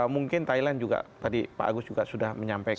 mungkin thailand juga tadi pak agus juga sudah menyampaikan